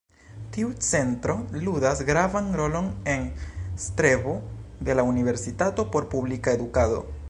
Tiu centro ludas gravan rolon en strebo de la Universitato por publika edukado.